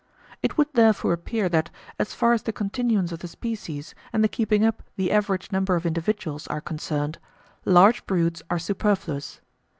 It would therefore appear that, as far as the continuance of the species and the keeping up the average number of individuals are concerned, large broods are superfluous.